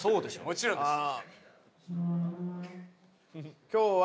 もちろんです。